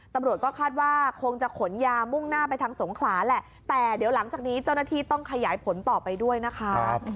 ตำรวจก็คาดว่าคงจะขนยามุ่งหน้าไปทางสงขลาแหละแต่เดี๋ยวหลังจากนี้เจ้าหน้าที่ต้องขยายผลต่อไปด้วยนะคะ